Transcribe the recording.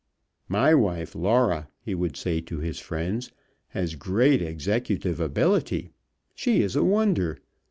"My wife Laura," he would say to his friends, "has great executive ability. She is a wonder.